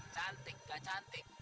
cantik gak cantik